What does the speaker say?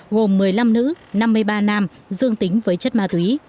gồm một mươi năm nữ năm mươi ba nam dương tính với chất ma túy